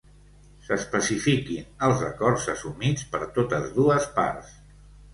S'especifiquin els acords assumits per totes dues parts.